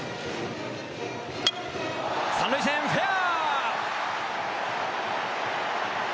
３塁線、フェア！